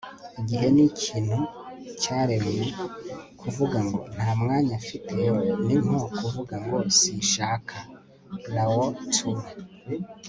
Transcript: igihe ni ikintu cyaremwe. kuvuga ngo 'nta mwanya mfite,' ni nko kuvuga ngo 'sinshaka.' - lao tzu